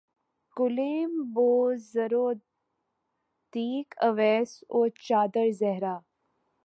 Gleam بو ذر و دلق اویس و چادر زہرا